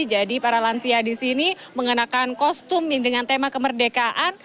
jadi para lansia di sini mengenakan kostum dengan tema kemerdekaan